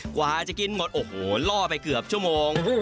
กว่าจะกินหมดโอ้โหล่อไปเกือบชั่วโมง